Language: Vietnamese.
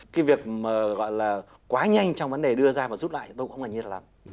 cái việc mà gọi là quá nhanh trong vấn đề đưa ra và rút lại tôi cũng không là như thế lắm